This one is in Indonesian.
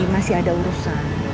masih ada urusan